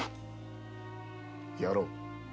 やろう。